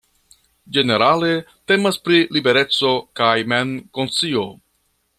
Generale temas pri libereco kaj mem-konscio.